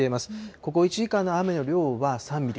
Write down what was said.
ここ１時間の雨の量は３ミリ。